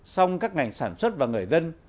song các ngành sản xuất và người dân